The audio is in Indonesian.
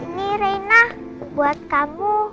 ini reina buat kamu